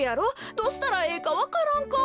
どうしたらええかわからんか？